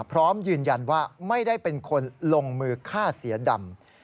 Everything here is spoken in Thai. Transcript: พร้อมยืนยันว่าไม่ได้เป็นคนลงมือฆ่าเสือดำ